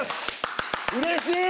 うれしい！